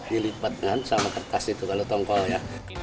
dilipatkan sama kertas itu kalau tongkolnya